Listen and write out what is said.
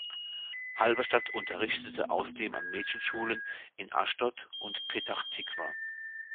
Halberstadt unterrichtete außerdem an Mädchenschulen in Aschdod und Petach Tikwa.